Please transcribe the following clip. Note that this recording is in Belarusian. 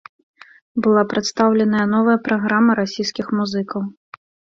Была прадстаўленая новая праграма расійскіх музыкаў.